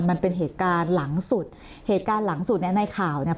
มันเป็นเหตุการณ์หลังสุดเหตุการณ์หลังสุดเนี้ยในข่าวเนี่ย